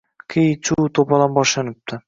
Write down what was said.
Qiy-chuv, to’polon boshlanibdi